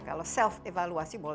kalau self evaluasi berapa